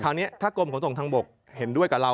นี้ถ้ากรมขนส่งทางบกเห็นด้วยกับเรา